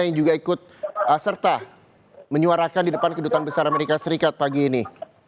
yang juga ikut serta menyuarakan di depan kedutaan besar amerika serikat pagi ini